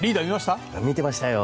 見てましたよ。